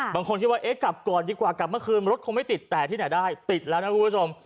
บางคนคิดว่าเอ๊ะกลับก่อนดีกว่ากลับเมื่อคืนรถคงไม่ติดแต่ที่ไหนได้ติดแล้วนะคุณผู้ชม